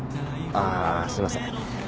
あすいません。